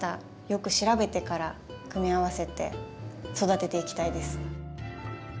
よく調べてから組み合わせて育てていきたいです。